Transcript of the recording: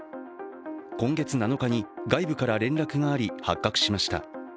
今月７日に外部から連絡があり発覚しました。